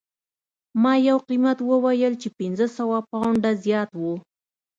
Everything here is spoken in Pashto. ما یو قیمت وویل چې پنځه سوه پونډه زیات و